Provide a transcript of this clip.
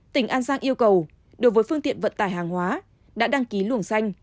tỉnh an giang yêu cầu đối với phương tiện vận tải hàng hóa đã đăng ký luồng xanh